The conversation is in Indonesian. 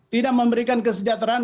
tidak memberikan kesejahteraan